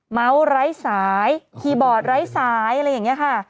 เคสเนี้ยค่ะ